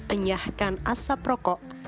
enyahkan asap rokok